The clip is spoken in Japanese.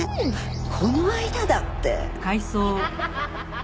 この間だって。